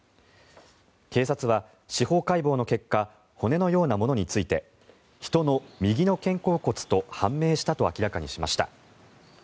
警察は司法解剖の結果骨のようなものについて人の右の肩甲骨と判明したと明らかにしました。